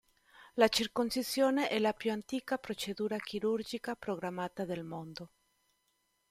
La circoncisione è la più antica procedura chirurgica programmata del mondo.